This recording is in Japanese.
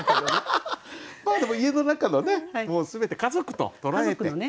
まあでも家の中のね全て家族と捉えて。